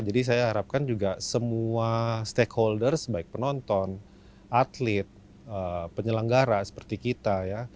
jadi saya harapkan juga semua stakeholders baik penonton atlet penyelenggara seperti kita ya